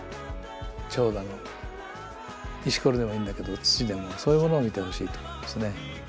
チョウだの石ころでもいいんだけど土でもそういうものを見てほしいと思いますね。